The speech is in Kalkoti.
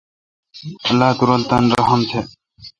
اللہ تو رل تان رحم تھ۔